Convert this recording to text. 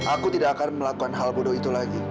aku tidak akan melakukan hal bodoh itu lagi